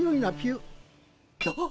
あっ。